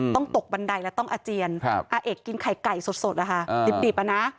ตกบันไดแล้วต้องอาเจียนอาเอกกินไข่ไก่สดนะคะดิบอ่ะนะ